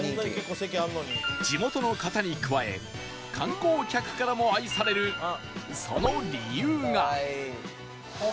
地元の方に加え観光客からも愛されるその理由が